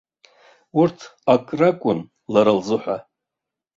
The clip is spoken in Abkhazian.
Урҭ ак ракәын лара лзыҳәа.